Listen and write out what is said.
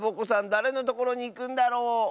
だれのところにいくんだろう？